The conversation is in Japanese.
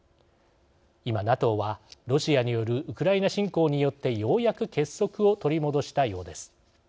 今ＮＡＴＯは、ロシアによるウクライナ侵攻によってようやく結束を取り戻したようです。